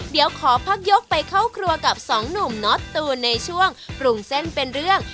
เดี๋ยวขอพักยกไปเข้าครัวกับสองหนุ่มน็อตตูนในช่วงปรุงเส้นเป็นเรื่อง